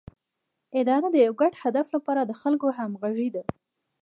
اداره د یو ګډ هدف لپاره د خلکو همغږي ده